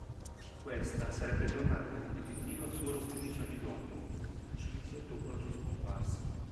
Questa sarebbe tornata competitiva solo quindici anni dopo, cinque dopo la sua scomparsa.